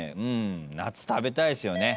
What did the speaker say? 夏食べたいですよね。